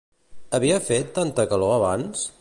Havia fet tanta calor abans?